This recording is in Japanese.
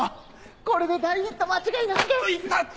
これで大ヒット間違いなしです！